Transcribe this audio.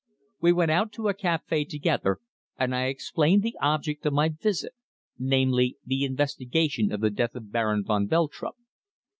We went out to a café together, and I explained the object of my visit, namely, the investigation of the death of Baron van Veltrup.